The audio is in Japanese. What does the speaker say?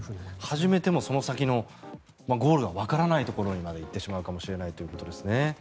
初めてもその先のゴールがわからないところにまで行ってしまうかもしれないということですね。